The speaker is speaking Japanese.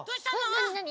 なになに？